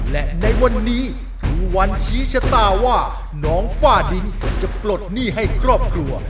และในวันนี้คือวันชี้ชะตาว่าน้องฝ้าดินจะปลดหนี้ให้ครอบครัว